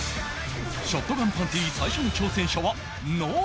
ショットガンパンティ最初の挑戦者は